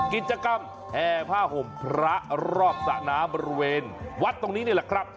กิจกรรมแห่ผ้าห่มพระรอบสระน้ำบริเวณวัดตรงนี้นี่แหละครับ